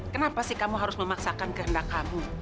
kenapa sih kamu harus memaksakan kehendak kamu